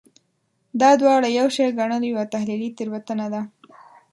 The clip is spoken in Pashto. دا دواړه یو شی ګڼل یوه تحلیلي تېروتنه وه.